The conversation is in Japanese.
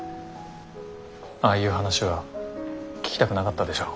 ああいう話は聞きたくなかったでしょう。